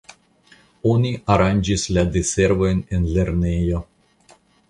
Oni aranĝis la diservojn en lernejo.